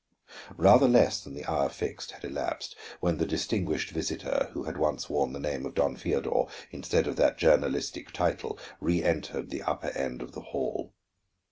Rather less than the hour fixed had elapsed when the distinguished visitor, who had once worn the name of Don Feodor instead of that journalistic title, reëntered the upper end of the hall.